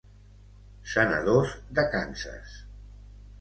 Senadors de Kansas.